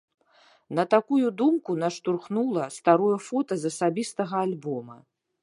На такую думку наштурхнула старое фота з асабістага альбома.